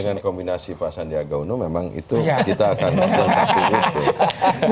dengan kombinasi pak sandiaga uno memang itu kita akan melengkapi itu